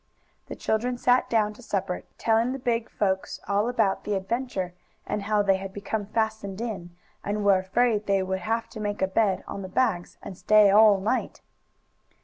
The children sat down to supper, telling the big folks all about the adventure, and how they had become fastened in, and were afraid they would have to make a bed on the bags and stay all night.